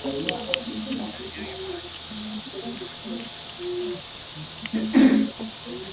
Bwe kityo buli muntu abukeereza nkokola ne yeyuna olutabalo okusobola okufuna ekigulira maggala eddiba.